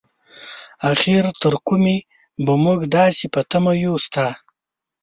اخر تر کومې به مونږ داسې په تمه يو ستا؟